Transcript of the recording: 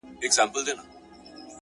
جلوه مخې په اوو فکرو کي ډوب کړم’